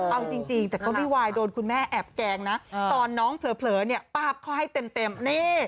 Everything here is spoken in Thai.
เอาจริงแต่ก็ไม่วายโดนคุณแม่แอบแกล้งนะตอนน้องเผลอเนี่ยป้าบเขาให้เต็ม